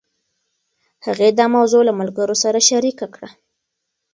هغې دا موضوع له ملګرې سره شريکه کړه.